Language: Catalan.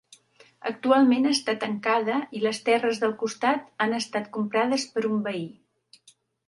Actualment està tancada i les terres del costat han estat comprades per un veí.